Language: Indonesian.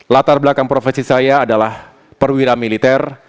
latar belakang profesi saya adalah perwira militer